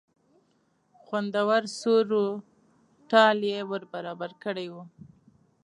خوندور سور و تال یې ور برابر کړی و.